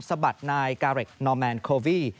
สะบัดนายกาเรคนอร์แมนโควี่